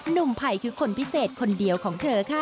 หนุ่มภัยคือคนพิเศษคนเดียวของเธอค่ะ